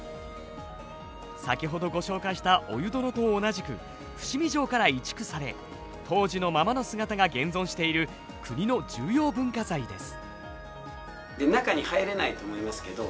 先ほどご紹介した御湯殿と同じく伏見城から移築され当時のままの姿が現存している国の重要文化財です。